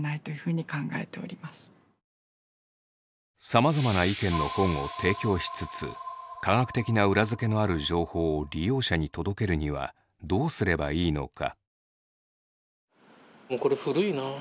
さまざまな意見の本を提供しつつ科学的な裏付けのある情報を利用者に届けるにはどうすればいいのか。